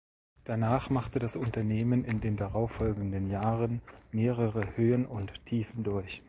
Danach machte das Unternehmen in den darauf folgenden Jahren mehrere Höhen und Tiefen durch.